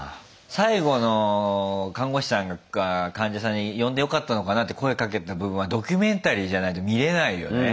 最後の看護師さんが患者さんに呼んでよかったのかなって声かけた部分はドキュメンタリーじゃないと見れないよね。